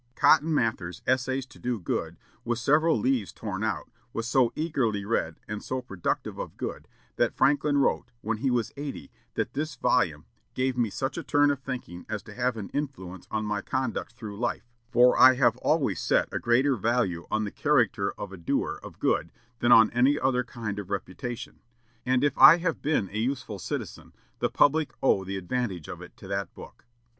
Cotton Mather's "Essays to do Good," with several leaves torn out, was so eagerly read, and so productive of good, that Franklin wrote, when he was eighty, that this volume "gave me such a turn of thinking as to have an influence on my conduct through life; for I have always set a greater value on the character of a doer of good than on any other kind of reputation; and, if I have been a useful citizen, the public owe the advantage of it to that book."